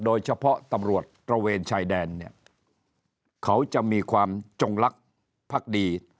โดยเฉพาะตำรวจตระเวนชายแดนเนี่ยเขาจะมีความจงลักษณ์พักดี